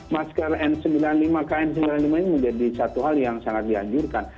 masker n sembilan puluh lima kn sembilan puluh lima ini menjadi satu hal yang sangat dianjurkan